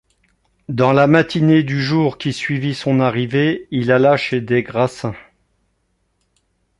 Dans la matinée du jour qui suivit son arrivée, il alla chez des Grassins.